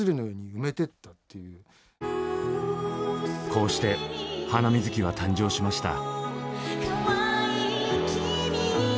こうして「ハナミズキ」は誕生しました。